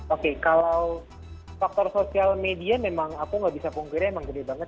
oke kalau faktor sosial media memang aku nggak bisa pungkirnya emang gede banget